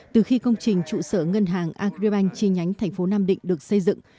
từ khi công trình trụ sở ngân hàng agribank chi nhánh thành phố nam định được xây dựng